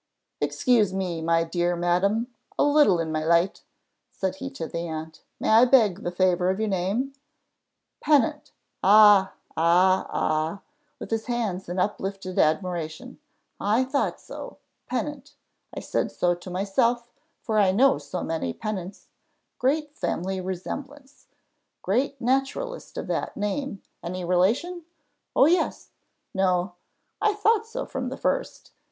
"Excuse me, my dear madam, a little in my light," said he to the aunt. "May I beg the favour of your name?" "Pennant! ah! ah! ah!" with his hands in uplifted admiration "I thought so Pennant. I said so to myself, for I know so many Pennants great family resemblance Great naturalist of that name any relation? Oh yes No I thought so from the first.